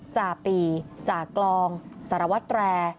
จ่าปีจากกลองสารวัตรแตร